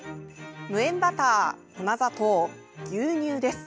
無塩バター、粉砂糖、牛乳です。